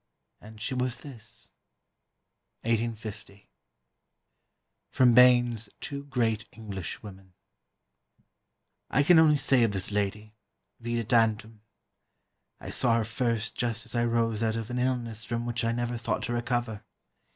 And she was this." 1850. [Sidenote: Bayne's Two great Englishwomen.] "I can only say of this lady, vide tantum. I saw her first just as I rose out of an illness from which I never thought to recover.